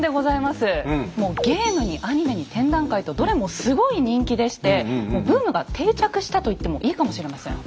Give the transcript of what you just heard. もうゲームにアニメに展覧会とどれもすごい人気でしてもうブームが定着したと言ってもいいかもしれません。